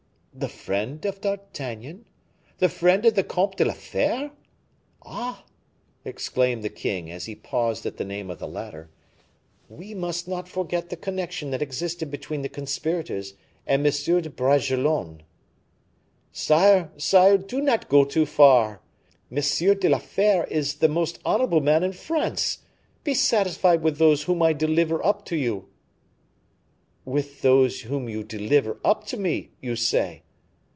"The friend of D'Artagnan? the friend of the Comte de la Fere? Ah!" exclaimed the king, as he paused at the name of the latter, "we must not forget the connection that existed between the conspirators and M. de Bragelonne." "Sire, sire, do not go too far. M. de la Fere is the most honorable man in France. Be satisfied with those whom I deliver up to you." "With those whom you deliver up to me, you say?